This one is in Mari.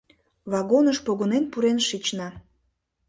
Вагоныш погынен пурен шична